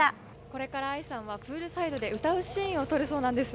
これからＡＩさんはプールサイドで歌うシーンを撮るそうです。